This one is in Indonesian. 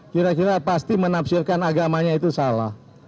kira kira pasti menafsirkan agamanya itu salah